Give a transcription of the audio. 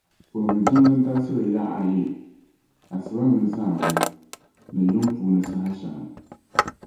Puhimi jiŋli dabsili yaɣa ayi asiba mini zaawuni, ni yuŋ puuni saha shεŋa.